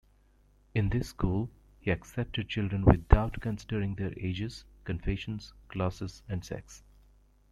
In this school, he accepted children without considering their ages, confessions, classes and sex.